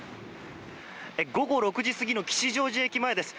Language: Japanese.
午後６時過ぎの吉祥寺駅前です。